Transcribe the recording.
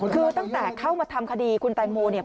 คือตั้งแต่เข้ามาทำคดีคุณแตงโมเนี่ย